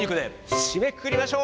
締めくくりましょう。